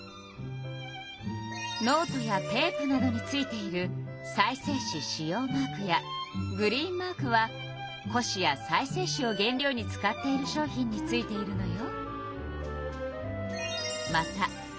ノートやテープなどについている再生紙使用マークやグリーンマークは古紙や再生紙を原料に使っている商品についているのよ。